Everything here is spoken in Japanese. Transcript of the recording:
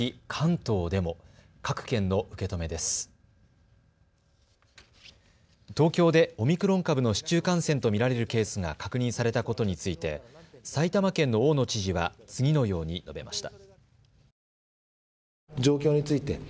東京でオミクロン株の市中感染と見られるケースが確認されたことについて埼玉県の大野知事は次のように述べました。